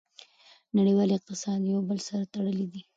نړیوال اقتصاد یو بل سره تړلی دی.